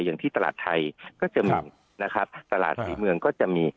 อย่างที่ตลาดไทยก็จะมีนะครับตลาดศรีเมืองก็จะมี